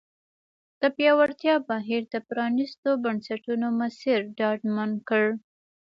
د پیاوړتیا بهیر د پرانیستو بنسټونو مسیر ډاډمن کړ.